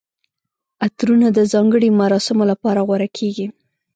عطرونه د ځانګړي مراسمو لپاره غوره کیږي.